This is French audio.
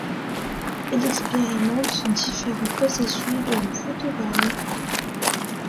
Elle expérimente différents processus dont le photogramme.